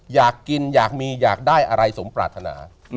อยากกินอยากมีอยากได้อะไรสมปรารถนา